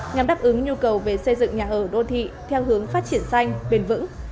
nhằm đáp ứng nhu cầu về xây dựng nhà ở đô thị theo hướng phát triển xanh bền vững